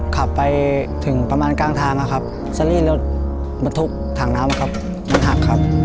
ขับไปถึงประมาณกลางทางนะครับซารี่รถบรรทุกถังน้ำครับมันหักครับ